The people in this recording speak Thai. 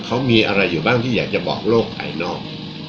เขามีอะไรอยู่บ้างที่อยากจะบอกโลกภายนอก